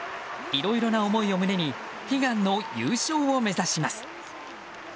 いろいろな思いを胸に悲願の優勝を目指します。